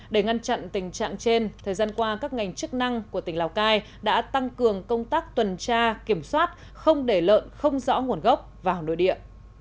để ngăn chặn tình trạng trên thời gian qua các ngành chức năng của tỉnh lào cai đã tăng cường công tác tuần tra kiểm soát không để lợn không rõ nguồn gốc vào nội địa